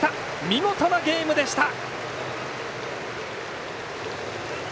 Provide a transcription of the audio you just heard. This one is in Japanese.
見事なゲームでした。